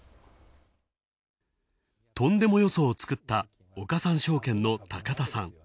とんでも予想を作った岡三証券の高田さん。